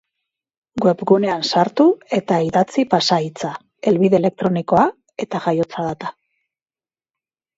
Webgunean sartu eta idatzi pasahitza, helbide elektronikoa eta jaiotza data.